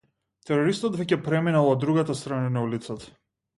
Терористот веќе преминал од другата страна на улицата.